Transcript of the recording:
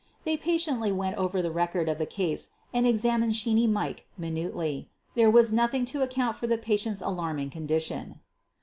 They patiently went over the record of the case and ex amined "Sheeney Mike" minutely — there was noth ing to account for the patient's alarming condition.